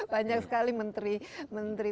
banyak sekali menteri menteri